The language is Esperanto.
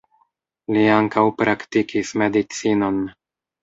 Li ankaŭ praktikis medicinon.